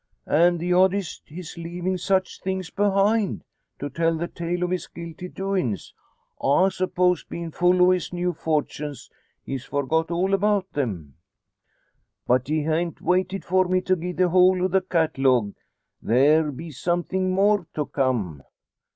An' the oddest his leavin' such things behind to tell the tale o' his guilty doin's; I suppose bein' full o' his new fortunes, he's forgot all about them." "But ye han't waited for me to gie the whole o' the cat'logue. There be somethin' more to come."